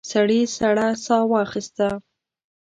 سړي سړه ساه واخيسته.